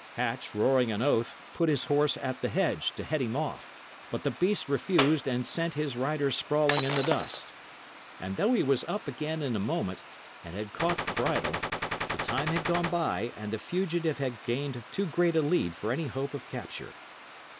Hatch, roaring an oath, put his horse at the hedge, to head him off; but the beast refused, and sent his rider sprawling in the dust. And though he was up again in a moment, and had caught the bridle, the time had gone by, and the fugitive had gained too great a lead for any hope of capture.